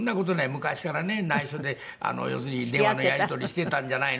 昔からね内緒で要するに「電話のやり取りしていたんじゃないの？」